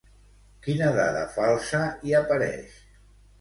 Quina dada falsa hi apareix?